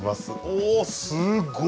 おすごっ！